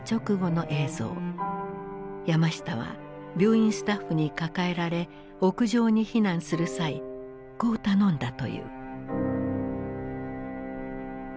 山下は病院スタッフに抱えられ屋上に避難する際こう頼んだという。